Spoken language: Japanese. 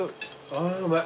あうまい。